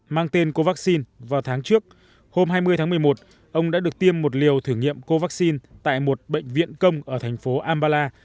mang tên covaxin vào tháng trước hôm hai mươi tháng một mươi một ông đã được tiêm một liều thử nghiệm covaxin tại một bệnh viện công ở thành phố ambala